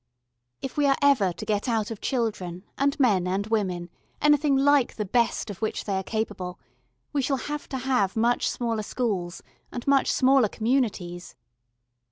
If we are ever to get out of children, and men and women, anything like the best of which they are capable, we shall have to have much smaller schools and much smaller communities.